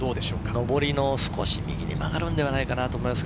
のぼりの少し右に曲がるのではないかと思います。